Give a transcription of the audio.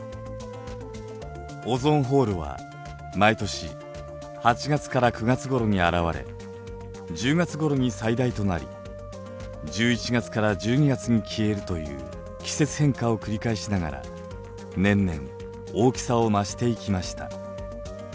オゾンホールは毎年８月から９月ごろに現れ１０月ごろに最大となり１１月から１２月に消えるという季節変化を繰り返しながら年々大きさを増していきました。